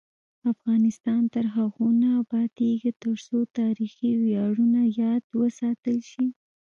افغانستان تر هغو نه ابادیږي، ترڅو تاریخي ویاړونه یاد وساتل شي.